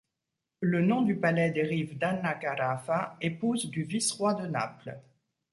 Le nom du palais dérive d'Anna Carafa, épouse de vice-roi de Naples.